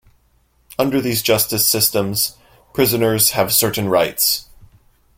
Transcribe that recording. Under these justice systems, prisoners have certain rights.